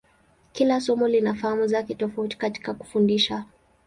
Kila somo lina fahamu zake tofauti katika kufundisha.